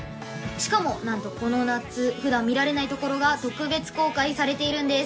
しかもなんとこの夏普段見られない所が特別公開されているんです。